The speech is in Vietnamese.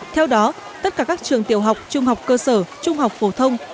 theo đó tất cả các trường tiểu học trung học cơ sở trung học phổ thông